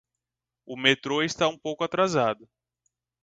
O metro está um pouco atrasado.